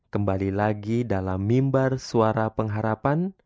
kembali lagi dalam mimbar suara pengharapan